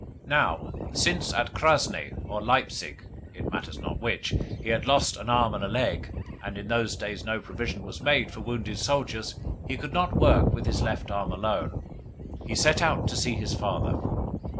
Now, since at Krasni or at Leipzig (it matters not which) he had lost an arm and a leg, and in those days no provision was made for wounded soldiers, and he could not work with his left arm alone, he set out to see his father.